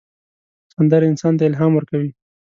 سندره انسان ته الهام ورکوي